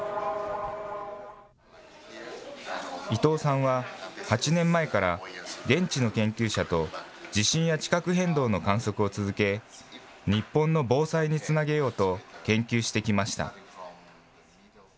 伊藤さんは、８年前から現地の研究者と地震や地殻変動の観測を続け、日本の防災につなげようと、研究してきました。